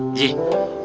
ji udah tau belum